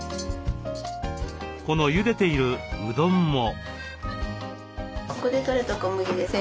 このゆでているうどんも。